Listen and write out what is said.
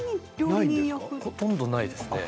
ほとんどないですね。